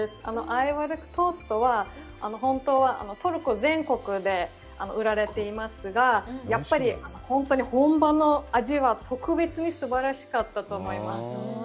アイヴァルックトーストは、本当はトルコ全国で売られていますが、やっぱり本当に本場の味は特別にすばらしかったと思います。